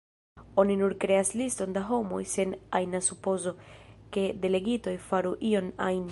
Oni nur kreas liston da homoj sen ajna supozo, ke delegitoj faru ion ajn.